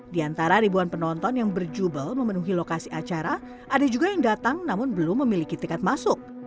di antara ribuan penonton yang berjubel memenuhi lokasi acara ada juga yang datang namun belum memiliki tiket masuk